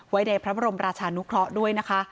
ในพระบรมราชานุเคราะห์ด้วยนะคะ